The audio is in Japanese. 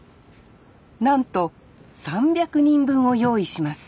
なんと３００人分を用意します